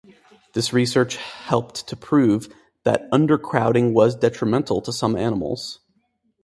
This research helped to prove that under crowding was detrimental to some animals.